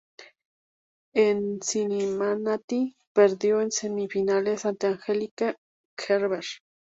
En Cincinnati perdió en semifinales ante Angelique Kerber.